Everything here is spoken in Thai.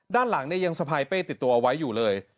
ด้านหลังเนี่ยยังสะพายเป้ติดตัวเอาไว้อยู่เลย